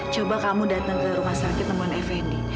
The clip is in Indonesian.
coba kamu datang ke rumah sakit temuan effendi